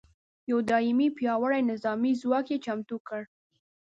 یو دایمي پیاوړي نظامي ځواک یې چمتو کړ.